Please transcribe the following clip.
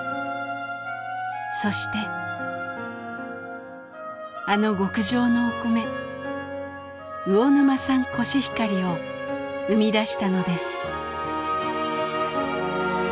そしてあの極上のお米魚沼産コシヒカリを生み出したのです。